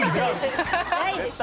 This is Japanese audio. ないでしょ。